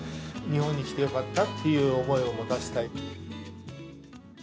日本に来てよかったって思いを持たせたい。